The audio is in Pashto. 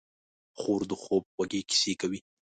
خور د خوب خوږې کیسې کوي.